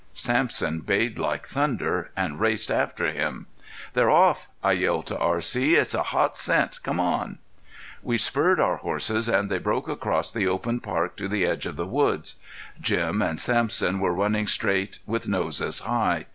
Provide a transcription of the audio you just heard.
Sampson bayed like thunder and raced after Jim. "They're off!" I yelled to R.C. "It's a hot scent! Come on!" We spurred our horses and they broke across the open park to the edge of the woods. Jim and Sampson were running straight with noses high.